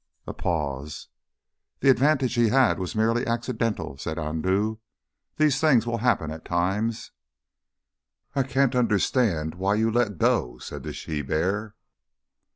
A pause. "The advantage he had was merely accidental," said Andoo. "These things will happen at times." "I can't understand why you let go," said the she bear.